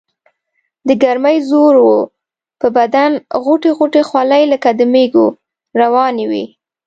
دګرمۍ زور وو پۀ بدن غوټۍ غوټۍ خولې لکه د مېږو روانې وي ـ